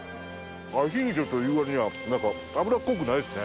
アヒージョという割には油っこくないですね。